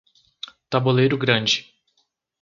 Taboleiro Grande